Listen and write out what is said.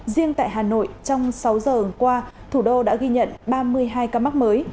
riêng tại hà nội trong sáu giờ qua thủ đô đã ghi nhận ba mươi hai ca mắc mới